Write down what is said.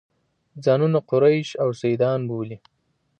ځانونه قریش او سیدان بولي.